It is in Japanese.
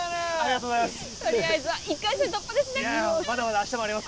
とりあえずは１回戦突破ですねいや